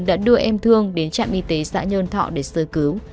đã đưa em thương đến trạm y tế xã nhơn thọ để sơ cứu